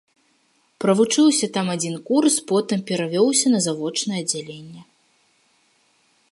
Правучыўся там адзін курс, потым перавёўся на завочнае аддзяленне.